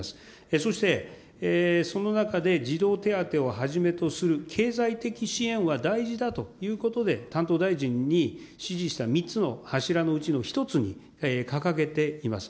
そして、その中で児童手当をはじめとする経済的支援は大事だということで、担当大臣に指示した３つの柱のうちの一つに掲げています。